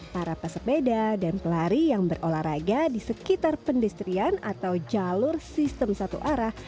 para pesepeda dan pelari yang berolahraga di sekitar pendestrian atau jalur sistem satu arah